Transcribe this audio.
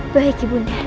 baik ibu undang